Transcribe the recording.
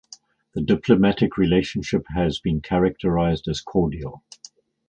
The diplomatic relationship has been characterised as cordial.